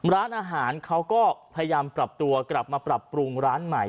ร้านอาหารเขาก็พยายามปรับตัวกลับมาปรับปรุงร้านใหม่